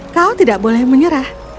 kau tidak boleh menyerah